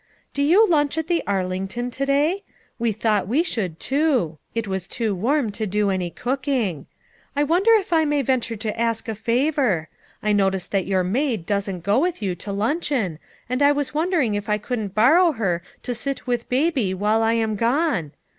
"Do you lunch at the Arlington to day! We thought we should, too ; it is too warm to do any cooking. I wonder if I may venture to ask a favor? I notice that your maid doesn't go with you to luncheon, and I was wondering if I couldn't borrow her to sit with Baby while I am gone